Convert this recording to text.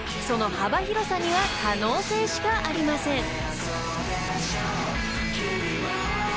［その幅広さには可能性しかありません］